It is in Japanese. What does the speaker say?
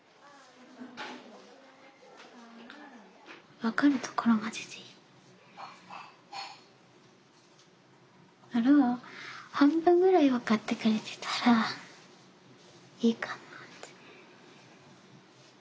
わかるところまででいいから半分ぐらいわかってくれてたらいいかなって。